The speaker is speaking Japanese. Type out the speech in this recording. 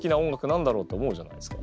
何だろう？って思うじゃないですか。